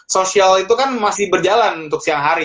sosial itu kan masih berjalan untuk siang hari